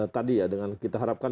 tadi ya dengan kita harapkan